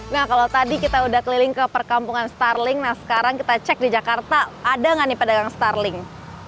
nah kalau tadi kita udah keliling ke perkampungan starling nah sekarang kita cek di jakarta ada nggak nih pedagang starling